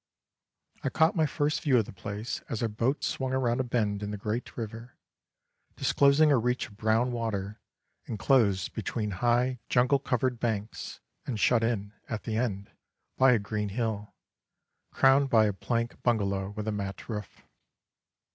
I caught my first view of the place as our boat swung round a bend in the great river, disclosing a reach of brown water, enclosed between high, jungle covered banks, and shut in, at the end, by a green hill, crowned by a plank bungalow with a mat roof.